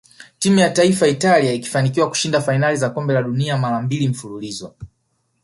Timu ya taifa Italia ilifanikiwa kushinda fainali za kombe la dunia mara mbili mfululizo